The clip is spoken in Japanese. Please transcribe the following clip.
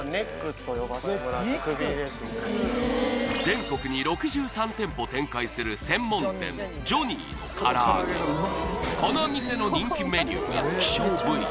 全国に６３店舗展開する専門店ジョニーのからあげこの店の人気メニューが希少部位